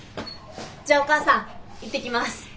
じゃあお母さんいってきます。